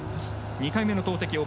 ２回目の投てき。